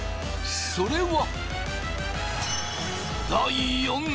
それは。